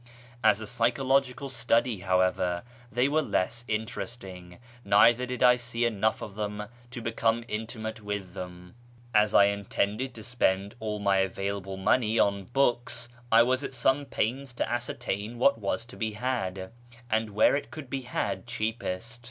As a psychological study, how ever, they were less interesting, neither did I see enough of them to become intimate with them. As I intended to spend all my available money on books, I was at some pains to ascertain what was to be had, and where it coidd be had cheapest.